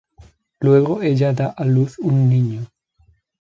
Luego ella da a luz un niño.